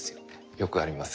よくあります。